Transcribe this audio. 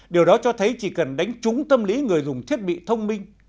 điều đó cho thấy chỉ cần đánh trúng tâm lý người dùng thiết bị thông minh